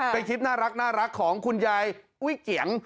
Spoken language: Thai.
เป็นคลิปน่ารักของคุณยายอุ้ยเกียง